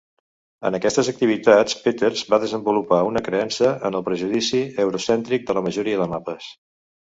En aquestes activitats Peters va desenvolupar una creença en el prejudici euro-cèntric de la majoria de mapes.